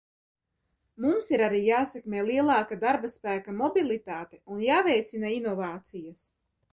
Mums ir arī jāsekmē lielāka darbaspēka mobilitāte un jāveicina inovācijas.